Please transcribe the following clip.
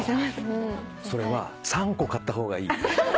それは３個買った方がいい。